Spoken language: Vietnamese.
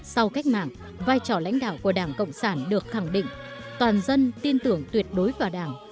sau cách mạng vai trò lãnh đạo của đảng cộng sản được khẳng định toàn dân tin tưởng tuyệt đối vào đảng